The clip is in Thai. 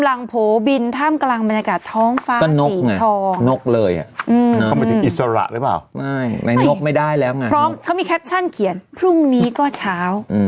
อ้าวเขาก็เลยเอาไปปล่อยค่ะ